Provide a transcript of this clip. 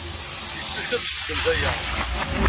Yessefk ad tesbeddemt aya.